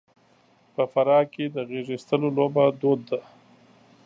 په فراه کې د غېږاېستلو لوبه دود ده.